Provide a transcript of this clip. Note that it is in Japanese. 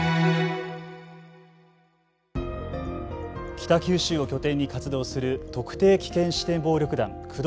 北九州を拠点に活動する特定危険指定暴力団、工藤会。